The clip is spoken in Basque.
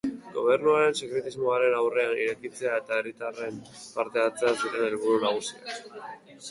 Gobernuaren sekretismoaren aurrean, irekitzea eta herritarren parte-hartzea ziren helburu nagusiak.